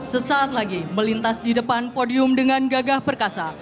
sesaat lagi melintas di depan podium dengan gagah perkasa